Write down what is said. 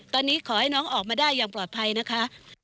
ตอนนี้ขอให้น้องออกมาได้อย่างปลอดภัยนะคะ